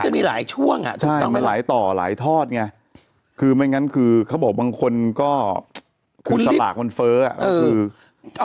ไม่คือไปซื้อเป็นเล่ม